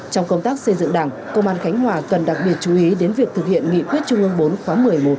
trong công tác xây dựng đảng công an khánh hòa tuần đặc biệt chú ý đến việc thực hiện nghị quyết chung ương bốn khóa một mươi một một mươi hai